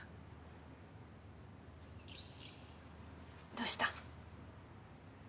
どうした？